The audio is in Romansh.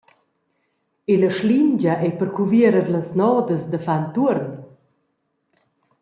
E la schlingia ei per cuvierer las nodas da far entuorn?